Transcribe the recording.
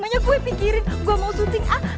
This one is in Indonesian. emangnya gua pikirin gua mau syuting ah